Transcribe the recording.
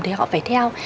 thì họ phải theo